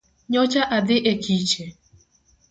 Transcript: Nyocha adhi e kiche.